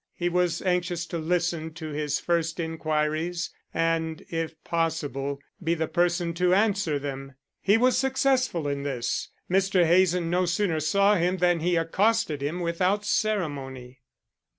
He was anxious to listen to his first inquiries and, if possible, be the person to answer them. He was successful in this. Mr. Hazen no sooner saw him than he accosted him without ceremony.